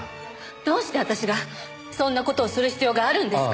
どうして私がそんな事をする必要があるんですか！